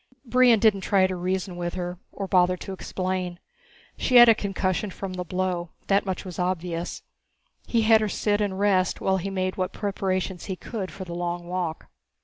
Brion didn't try to reason with her or bother to explain. She had a concussion from the blow, that much was obvious. He had her sit and rest while he made what preparations he could for the long walk.